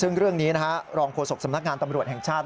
ซึ่งเรื่องนี้นะฮะรองโฆษกสำนักงานตำรวจแห่งชาติ